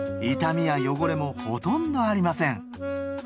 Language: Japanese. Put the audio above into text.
傷みや汚れもほとんどありません。